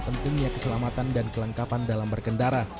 pentingnya keselamatan dan kelengkapan dalam berkendara